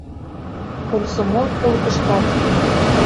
Комсомол полкышкат